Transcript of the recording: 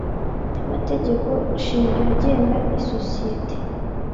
ry amategeko shingiro agenga isosiyete